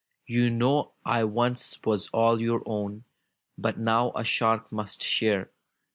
"You know I once was all your own. But now a shark must share!